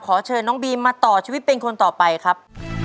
ขอเชิญน้องบีมมาต่อชีวิตเป็นคนต่อไปครับ